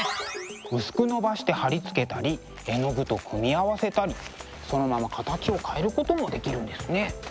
薄くのばして貼り付けたり絵の具と組み合わせたりそのまま形を変えることもできるんですね。